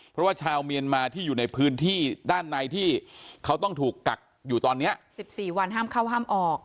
เพราะว่าชาวเมียนมาที่อยู่ในพื้นที่ด้านในที่เขาต้องถูกกักอยู่ตอนนี้๑๔วันห้ามเข้าห้ามออก